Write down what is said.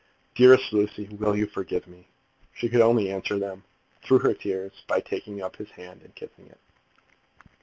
"Dearest Lucy, will you forgive me?" She could only answer them through her tears by taking up his hand and kissing it.